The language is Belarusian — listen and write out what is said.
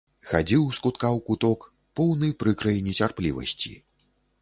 Хадзіў з кутка ў куток, поўны прыкрай нецярплівасці.